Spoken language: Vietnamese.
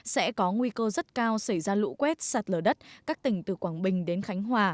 sẽ có nguy cơ rất cao xảy ra lũ quét sạt lở đất các tỉnh từ quảng bình đến khánh hòa